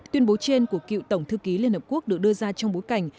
tuyên bố trên của cựu tổng thư ký liên hợp quốc được đưa ra trong bối cảnh